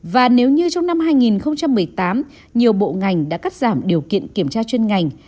và nếu như trong năm hai nghìn một mươi tám nhiều bộ ngành đã cắt giảm điều kiện kiểm tra chuyên ngành